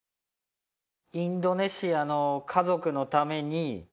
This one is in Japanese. インドネシアの家族のために？